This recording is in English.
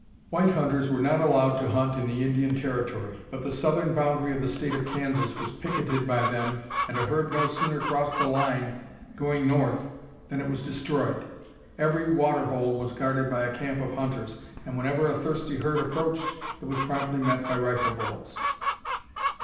White hunters were not allowed to hunt in the Indian Territory, but the southern boundary of the State of Kansas was picketed by them, and a herd no sooner crossed the line going north than it was destroyed. Every water hole was guarded by a camp of hunters, and whenever a thirsty herd approached, it was promptly met by rifle bullets.